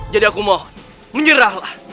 jadi aku mohon menyerahlah